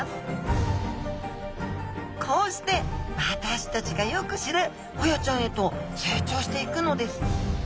こうして私たちがよく知るホヤちゃんへと成長していくのです